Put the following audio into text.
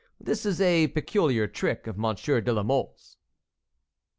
This is a peculiar trick of Monsieur de la Mole's."